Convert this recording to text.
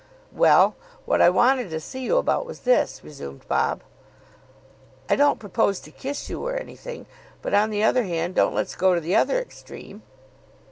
"Well, what I wanted to see you about was this," resumed Bob. "I don't propose to kiss you or anything; but, on the other hand, don't let's go to the other extreme.